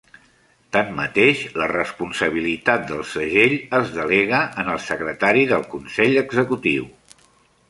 Tanmateix, la responsabilitat del segell es delega en el Secretari del Consell Executiu.